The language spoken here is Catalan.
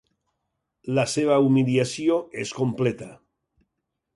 La seva humiliació és completa.